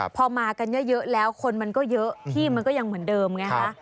พอมากันเยอะแล้วคนมันก็เยอะที่มันก็ยังเหมือนเดิมไงฮะ